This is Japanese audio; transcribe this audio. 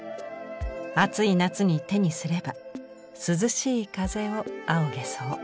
暑い夏に手にすれば涼しい風をあおげそう。